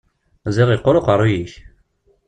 Ziɣ iqqur uqeṛṛuy-ik!